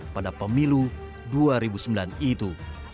pada pemilu dua ribu sembilan itu